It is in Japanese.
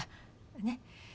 ねっ。